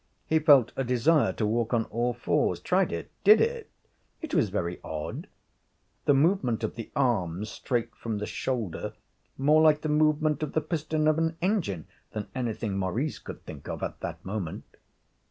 He felt a desire to walk on all fours tried it did it. It was very odd the movement of the arms straight from the shoulder, more like the movement of the piston of an engine than anything Maurice could think of at that moment.